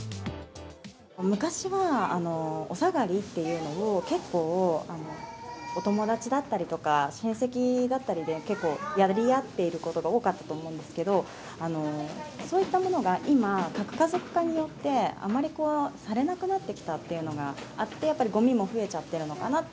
昔はお下がりっていうのを、結構、お友達だったりとか親戚だったりで、結構やり合っていたことが多かったと思うんですけど、そういったものが今、核家族化によって、あまりされなくなってきたっていうのがあって、ごみも増えちゃってるのかなって。